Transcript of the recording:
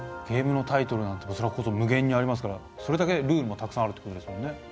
ゲームのタイトルなんてそれこそ無限にありますからそれだけルールもたくさんあるってことですもんね？